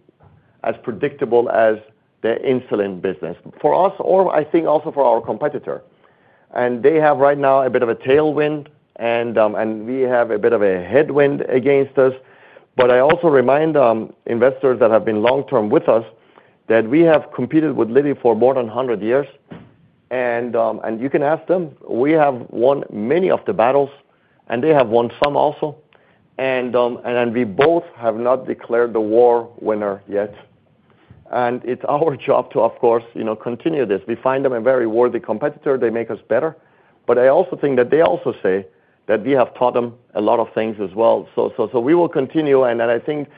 as predictable as the insulin business for us or I think also for our competitor. And they have right now a bit of a tailwind, and we have a bit of a headwind against us. But I also remind investors that have been long-term with us that we have competed with Lilly for more than 100 years. And you can ask them. We have won many of the battles, and they have won some also. And we both have not declared the war winner yet. And it's our job to, of course, you know, continue this. We find them a very worthy competitor. They make us better. But I also think that they also say that we have taught them a lot of things as well. So we will continue. And I think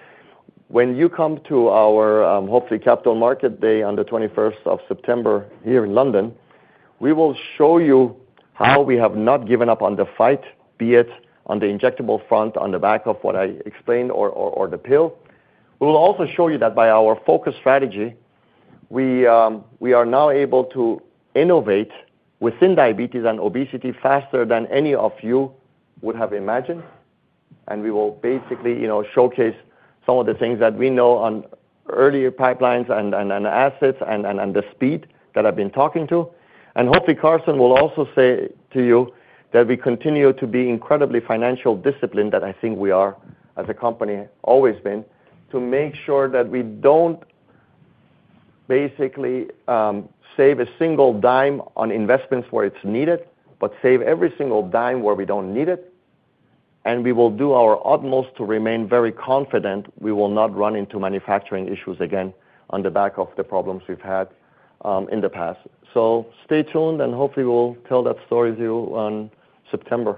when you come to our, hopefully, Capital Markets Day on the 21st of September here in London, we will show you how we have not given up on the fight, be it on the injectable front, on the back of what I explained, or the pill. We will also show you that by our focus strategy, we are now able to innovate within diabetes and obesity faster than any of you would have imagined. And we will basically, you know, showcase some of the things that we know on earlier pipelines and assets and the speed that I've been talking to. And hopefully, Karsten will also say to you that we continue to be incredibly financially disciplined that I think we are as a company, always been, to make sure that we don't basically save a single dime on investments where it's needed but save every single dime where we don't need it. And we will do our utmost to remain very confident we will not run into manufacturing issues again on the back of the problems we've had in the past. So stay tuned, and hopefully, we will tell that story to you on September.